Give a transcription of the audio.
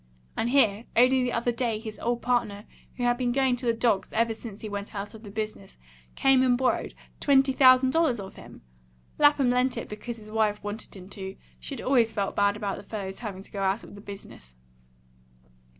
And here, only the other day, his old partner, who had been going to the dogs ever since he went out of the business, came and borrowed twenty thousand dollars of him! Lapham lent it because his wife wanted him to: she had always felt bad about the fellow's having to go out of the business.